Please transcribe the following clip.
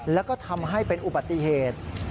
แล้วก็ทำให้เป็นอุบัติเหตุ